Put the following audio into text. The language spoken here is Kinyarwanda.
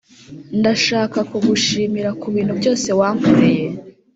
ndashaka kugushimira kubintu byose wankoreye.